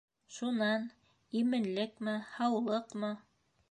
- Шунан, именлекме-һаулыҡмы?